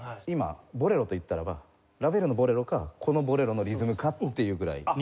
今「ボレロ」といったらばラヴェルの『ボレロ』かこのボレロのリズムかっていうぐらい。